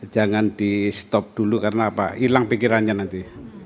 jangan di stop dulu karena apa hilang pikirannya nanti